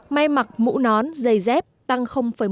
may mặc mũ nón giày dép tăng một mươi năm